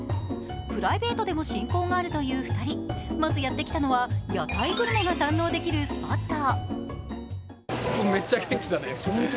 プライベートでも親交があるという２人、まずやってきたのは屋台グルメが堪能できるスポット。